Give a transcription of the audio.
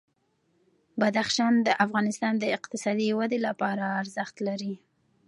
بدخشان د افغانستان د اقتصادي ودې لپاره ارزښت لري.